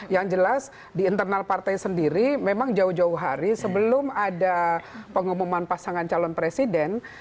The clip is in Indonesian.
yang jelas di internal partai sendiri memang jauh jauh hari sebelum ada pengumuman pasangan calon presiden